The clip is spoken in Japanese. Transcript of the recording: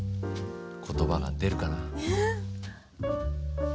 言葉が出るかな？